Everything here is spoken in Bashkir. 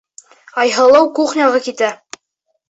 Айһылыу кухняга китә.